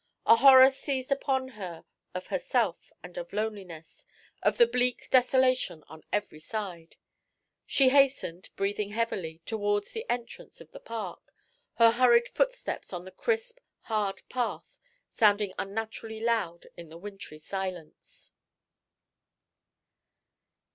A horror seized upon her of herself and of loneliness, of the bleak desolation on every side. She hastened, breathing heavily, towards the entrance of the Park, her hurried foot steps on the crisp, hard path sounding unnaturally loud in the wintry silence.